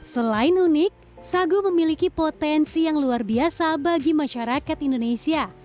selain unik sagu memiliki potensi yang luar biasa bagi masyarakat indonesia